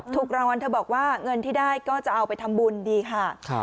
ถูกรางวัลเธอบอกว่าเงินที่ได้ก็จะเอาไปทำบุญดีค่ะ